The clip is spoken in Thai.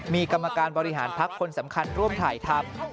มีกรรมการบริหารพักคนสำคัญร่วมถ่ายทำ